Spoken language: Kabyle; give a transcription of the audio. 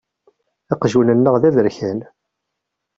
Aqjun-nneɣ d aberkan.